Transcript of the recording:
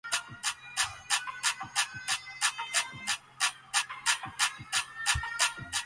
そしてケンケンで追っていく。